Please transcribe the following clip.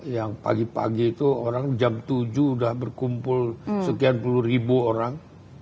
yang pagi pagi itu orang jam tujuh sudah berkumpul sekian puluh ribu orang